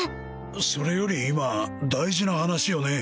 それより今大事な話をね